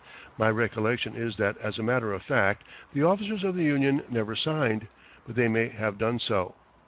My recollection is that as a matter of fact the officers of the union never signed, but they may have done so.